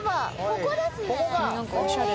ここですね